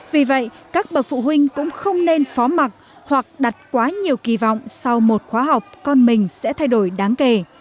vì vậy các bậc phụ huynh cũng không nên phó mặt hoặc đặt quá nhiều kỳ vọng sau một khóa học con mình sẽ thay đổi đáng kể